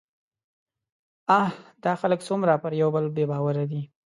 اه! دا خلک څومره پر يوبل بې باوره دي